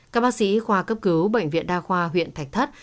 các bác sĩ khoa cấp cứu bệnh viện đa khoa huyện thạch thất